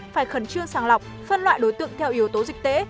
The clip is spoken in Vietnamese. phải khẩn trương sàng lọc phân loại đối tượng theo yếu tố dịch tễ